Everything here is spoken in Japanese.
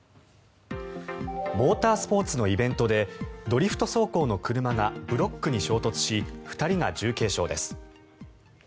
モータースポーツのイベントでドリフト走行の車がブロックに衝突し２人が重軽傷です。